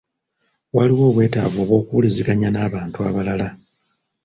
Waliwo obwetaavu obw’okuwuliziganya n’abantu abalala.